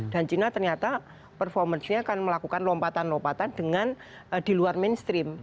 dan cina ternyata performance nya akan melakukan lompatan lompatan dengan di luar mainstream